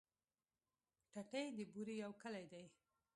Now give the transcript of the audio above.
ټټۍ د بوري يو کلی دی.